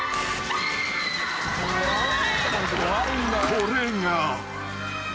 ［これが］